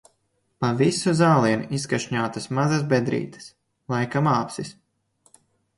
Pa visu zālienu izkašņātas mazas bedrītes - laikam āpsis.